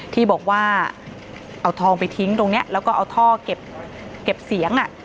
ที่บอกว่าเอาทองไปทิ้งตรงนี้แล้วก็เอาท่อเก็บเสียง